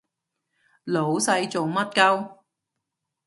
老細做乜 𨳊